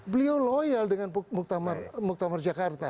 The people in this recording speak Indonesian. beliau loyal dengan muktamar jakarta